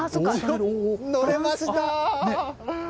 乗れました！